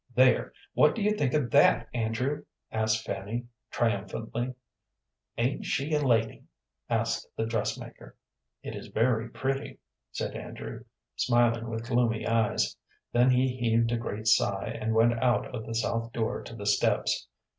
"There, what do you think of that, Andrew?" asked Fanny, triumphantly. "Ain't she a lady?" asked the dressmaker. "It is very pretty," said Andrew, smiling with gloomy eyes. Then he heaved a great sigh, and went out of the south door to the steps.